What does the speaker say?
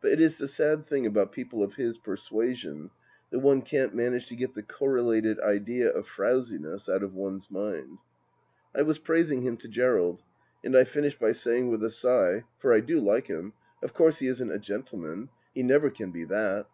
But it is the sad thing about people of his persuasion, that one can't manage to get the correlated idea of frowsi ness out of one's mind. I was praising him to Gerald, and I finished by saying with a sigh, for I do like him :" Of course he isn't a gentleman ; he never can be that."